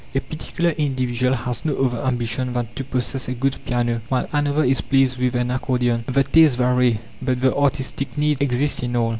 A particular individual has no other ambition than to possess a good piano, while another is pleased with an accordion. The tastes vary, but the artistic needs exist in all.